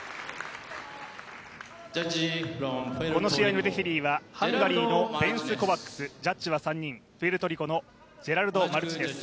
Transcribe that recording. この試合のレフェリーはハンガリーのベンス・コヴァックス、ジャッジは３人プエルトリコのマルチネス。